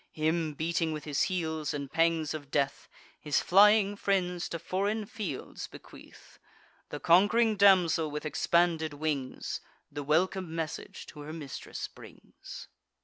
Him, beating with his heels in pangs of death, His flying friends to foreign fields bequeath. The conqu'ring damsel, with expanded wings, The welcome message to her mistress brings.